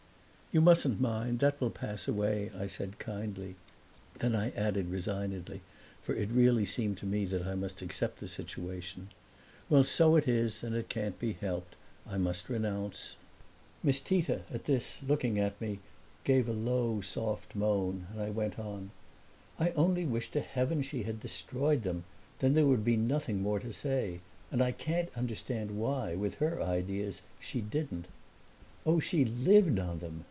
"You mustn't mind; that will pass away," I said, kindly. Then I added, resignedly, for it really seemed to me that I must accept the situation, "Well, so it is, and it can't be helped. I must renounce." Miss Tita, at this, looking at me, gave a low, soft moan, and I went on: "I only wish to heaven she had destroyed them; then there would be nothing more to say. And I can't understand why, with her ideas, she didn't." "Oh, she lived on them!"